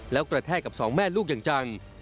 แล้วกระแทกกับสองแม่ลูกอย่างจัง